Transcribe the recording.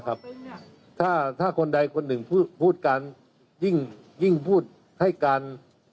นั่นนะครับถ้าคนใดคนนึงพูดกันยิ่งพูดให้กัน